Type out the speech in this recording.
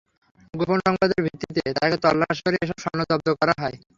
গোপন সংবাদের ভিত্তিতে তাঁকে তল্লাশি করে এসব স্বর্ণ জব্দ করা হয়।